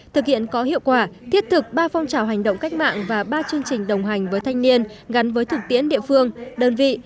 thực hiện có hiệu quả thiết thực ba phong trào hành động cách mạng và ba chương trình đồng hành với thanh niên gắn với thực tiễn địa phương đơn vị